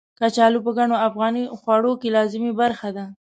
کچالو په ګڼو افغاني خوړو کې لازمي برخه ده.